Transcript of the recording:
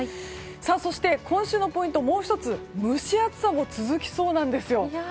そして今週のポイント、もう１つ蒸し暑さも続きそうなんですよ。